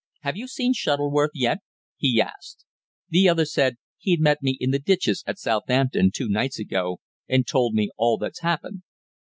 Have you seen Shuttleworth yet?' he asked. The other said: 'He met me, in the Ditches at Southampton, two nights ago, and told me all that's happened.'